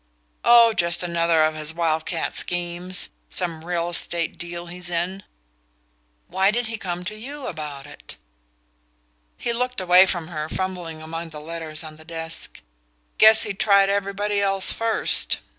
"Oh, just another of his wild cat schemes some real estate deal he's in." "Why did he come to YOU about it?" He looked away from her, fumbling among the letters on the desk. "Guess he'd tried everybody else first.